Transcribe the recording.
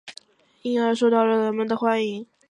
因而受到人们的欢迎。